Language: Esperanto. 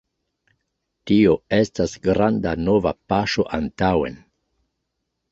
Tio estas granda nova paŝo antaŭen